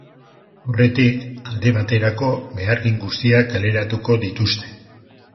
Aurretik, aldi baterako behargin guztiak kaleratuko dituzte.